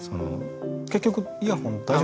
結局イヤホン大丈夫？